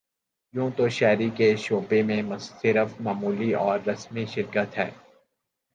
یوں تو شاعری کے شعبے میں صرف معمولی اور رسمی شرکت ہے